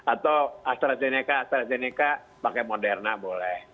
atau astrazeneca astrazeneca pakai moderna boleh